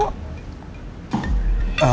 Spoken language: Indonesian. panti asuhan mutiara bunda